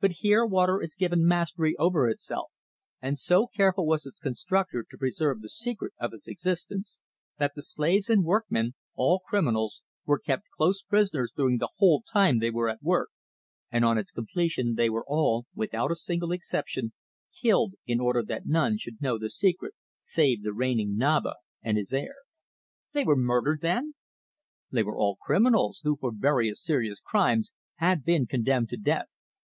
But here water is given mastery over itself, and so careful was its constructor to preserve the secret of its existence that the slaves and workmen, all criminals, were kept close prisoners during the whole time they were at work, and on its completion they were all, without a single exception, killed, in order that none should know the secret save the reigning Naba and his heir." "They were murdered then!" "They were all criminals who for various serious crimes had been condemned to death.